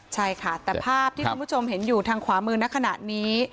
ใช่ค่ะแต่ภาพที่คุณผู้ชมเห็นอยู่ทางขวามือในขณะนี้